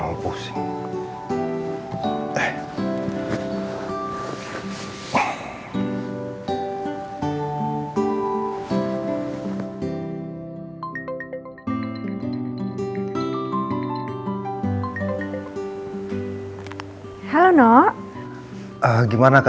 ya besern aja ya